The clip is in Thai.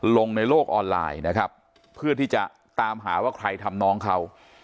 ลงในโลกออนไลน์นะครับเพื่อที่จะตามหาว่าใครทำน้องเขา